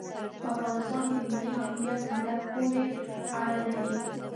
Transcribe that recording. په افغانستان کې ملي حاکمیت په ملت پوري اړه لري.